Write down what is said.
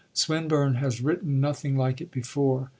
Swinburne has written nothing like it before.